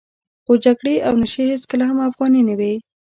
خو جګړې او نشې هېڅکله هم افغاني نه وې.